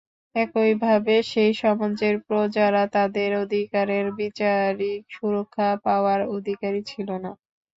একইভাবে সেই সমাজের প্রজারা তাদের অধিকারের বিচারিক সুরক্ষা পাওয়ার অধিকারী ছিল না।